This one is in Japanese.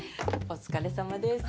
お疲れさまです。